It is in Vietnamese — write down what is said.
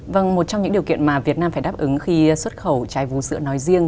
vâng một trong những điều kiện mà việt nam phải đáp ứng khi xuất khẩu trái vũ sữa nói riêng